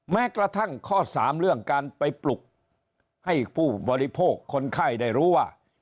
แม้กระทั่งข้อ๓เรื่องการไปปลุกให้ผู้บริโภคคนไข้ได้รู้ว่า